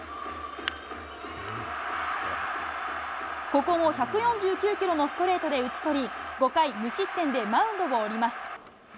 ここも１４９キロのストレートで打ち取り、５回、無失点でマウンドを降ります。